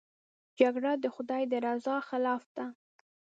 جګړه د خدای د رضا خلاف ده